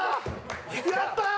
やったー！